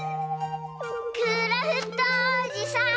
クラフトおじさん！